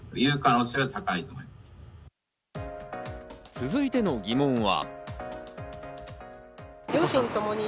続いての疑問は。